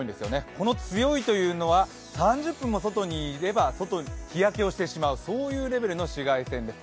この強いというのは３０分も外にいれば日焼けをしてしまう、そういうレベルの紫外線です。